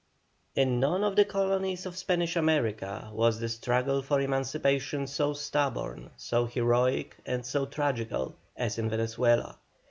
1815 1817. In none of the colonies of Spanish America was the struggle for emancipation so stubborn, so heroic, and so tragical, as in Venezuela.